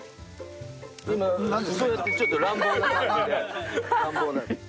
今そうやってちょっと乱暴な感じで？